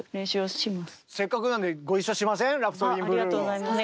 ありがとうございます。